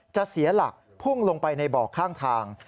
เสียหลักพุ่งลงไปในบ่อข้างทาง